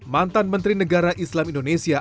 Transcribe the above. mantan menteri negara islam indonesia